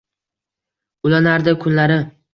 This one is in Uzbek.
Ulanardi kunlari